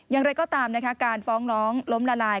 อย่างไรก็ตามนะคะการฟ้องร้องล้มละลาย